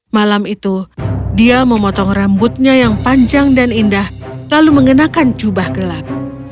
malam itu dia memotong rambutnya yang panjang dan indah lalu mengenakan jubah gelap